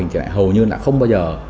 hầu như lại không bao giờ